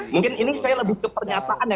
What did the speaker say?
mungkin ini saya lebih ke pernyataan ya